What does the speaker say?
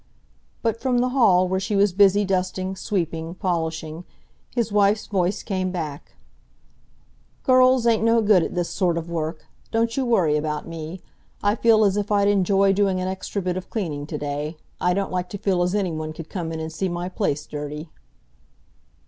But from the hall where she was busy dusting, sweeping, polishing, his wife's voice came back: "Girls ain't no good at this sort of work. Don't you worry about me. I feel as if I'd enjoy doing an extra bit of cleaning to day. I don't like to feel as anyone could come in and see my place dirty."